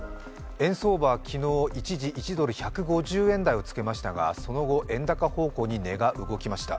円相場、昨日一時１ドル＝１５０円台になりましたがその後、円高方向に値が動きました。